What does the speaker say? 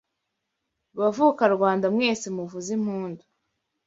Bavukarwanda mwese muvuze impundu